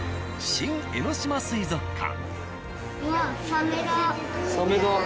新江ノ島水族館。